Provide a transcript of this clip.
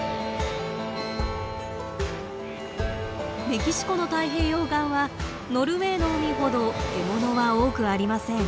メキシコの太平洋岸はノルウェーの海ほど獲物は多くありません。